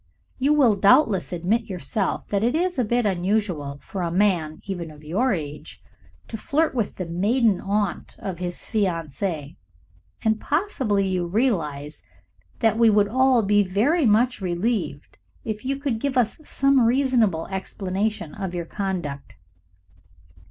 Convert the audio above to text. You will doubtless admit yourself that it is a bit unusual for a man even of your age to flirt with the maiden aunt of his fiancee, and possibly you realize that we would all be very much relieved if you could give us some reasonable explanation of your conduct."